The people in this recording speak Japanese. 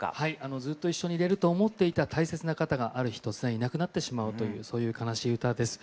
ずっと一緒にいれると思っていた大切な方がある日突然いなくなってしまうというそういう悲しい歌です。